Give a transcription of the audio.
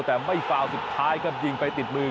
แต่ไม่ฟาวสุดท้ายครับยิงไปติดมือ